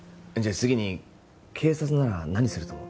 次に警察なら何すると思う？